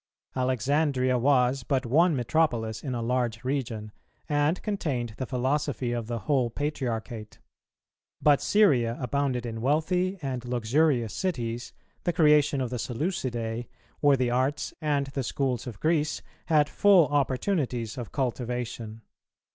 Alexandria was but one metropolis in a large region, and contained the philosophy of the whole Patriarchate; but Syria abounded in wealthy and luxurious cities, the creation of the Seleucidæ, where the arts and the schools of Greece had full opportunities of cultivation.